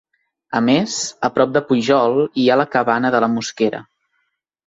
A més, a prop de Pujol hi ha la Cabana de la Mosquera.